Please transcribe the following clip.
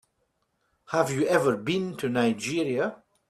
Have you ever been to Nigeria?